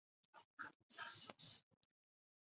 沼鼠耳蝠为蝙蝠科鼠耳蝠属的动物。